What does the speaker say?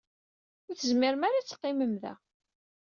Ur tezmirem ara ad teqqimem da.